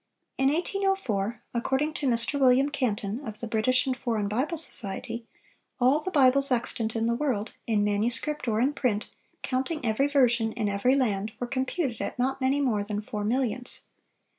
—In 1804, according to Mr. William Canton, of the British and Foreign Bible Society, "all the Bibles extant in the world, in manuscript or in print, counting every version in every land, were computed at not many more than four millions....